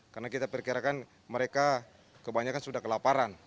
karena kita perkirakan mereka kebanyakan sudah kelaparan